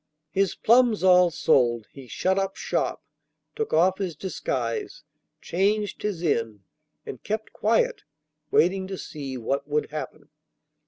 His plums all sold, he shut up shop, took off his disguise, changed his inn, and kept quiet, waiting to see what would happen.